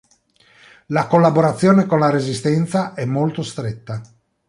La collaborazione con la Resistenza è molto stretta.